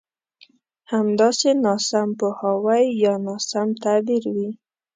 همداسې ناسم پوهاوی يا ناسم تعبير وي.